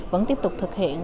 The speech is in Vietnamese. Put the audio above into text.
vẫn tiếp tục thực hiện